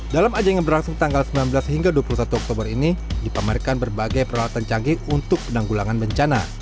dalam ajang yang berlangsung tanggal sembilan belas hingga dua puluh satu oktober ini dipamerkan berbagai peralatan canggih untuk penanggulangan bencana